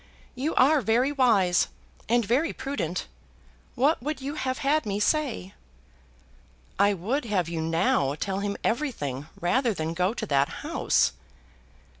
You are very wise, and very prudent. What would you have had me say?" "I would have you now tell him everything, rather than go to that house."